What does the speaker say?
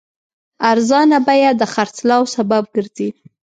ارزانه بیه د خرڅلاو سبب ګرځي.